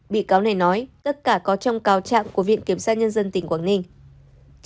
bị cáo này nói tất cả có trong cao trạng của viện kiểm sát nhân dân tỉnh quảng ninh